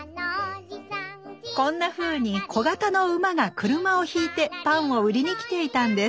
こんなふうに小型の馬が車をひいてパンを売りに来ていたんです。